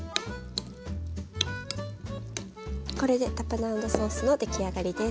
これでタプナードソースのできあがりです。